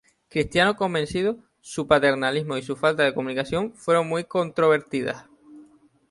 Cristiano convencido, su paternalismo y su falta de comunicación fueron muy controvertidas.